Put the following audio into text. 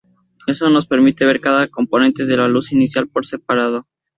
Eso nos permite ver cada componente de la luz inicial por separado.